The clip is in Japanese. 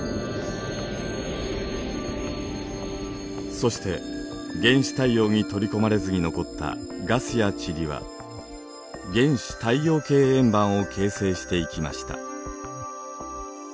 そして原始太陽に取り込まれずに残ったガスや塵は原始太陽系円盤を形成していきました。